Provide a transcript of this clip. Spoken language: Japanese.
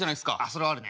それはあるね。